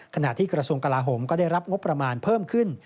ขณะที่กระทรวงกลาโหมก็ได้รับงบประมาณเพิ่มขึ้น